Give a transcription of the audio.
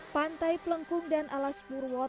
pantai pelengkung dan alaspurwo